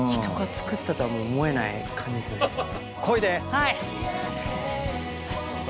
はい。